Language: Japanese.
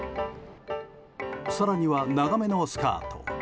更には長めのスカート